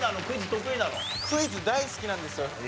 クイズ大好きなんですよ。